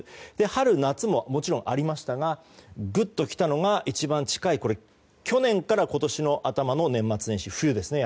春、夏ももちろんありましたがぐっと来たのが一番近い、去年から今年の頭の年末年始、冬ですね。